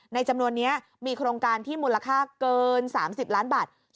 จำนวนนี้มีโครงการที่มูลค่าเกิน๓๐ล้านบาท